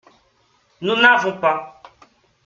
Nous n’avons pas.